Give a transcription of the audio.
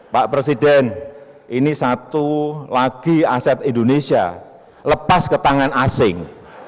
pak presiden ini satu lagi aset indonesia lepas ke tangan asing